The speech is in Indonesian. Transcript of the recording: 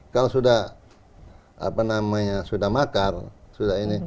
kalau sudah makar sudah ini